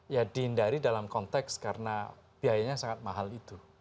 ya dihindari dalam konteks karena biayanya sangat mahal itu